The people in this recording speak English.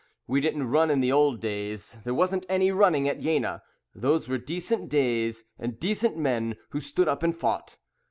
We didn't run in the old days. There wasn't any running at Jena. Those were decent days, And decent men, who stood up and fought.